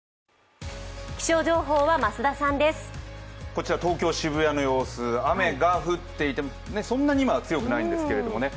こちら、東京・渋谷の様子、雨が降っていてもそんなに今は強くないんですけどもね。